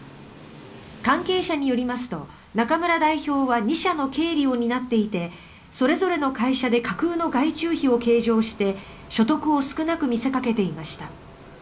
関係者によりますと中村代表は２社の経理を担っていてそれぞれの会社で架空の外注費を計上して所得を少なく見せかけていました。